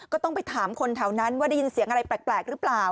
ก็ต้องไปถามคนแถวนั้นว่าได้ยินเสียงอะไรแปลกหรือเปล่า